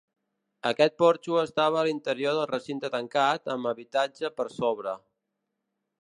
Aquest porxo estava a l'interior del recinte tancat, amb habitatge per sobre.